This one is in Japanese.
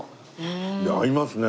合いますね